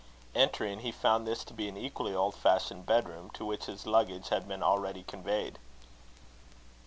Entering, he found this to be an equally old fashioned bedroom, to which his luggage had been already conveyed.